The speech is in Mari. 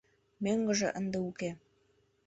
Мӧҥгыжӧ ынде уке.